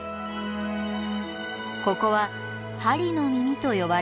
ここは針の耳と呼ばれる場所。